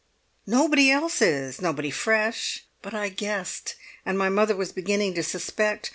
Nobody else is—nobody fresh—but I guessed, and my mother was beginning to suspect.